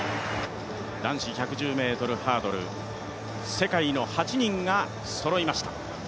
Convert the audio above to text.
男子１１０ｍハードル、世界の８人がそろいました。